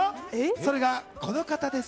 それがこの方です。